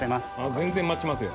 全然待ちますよ。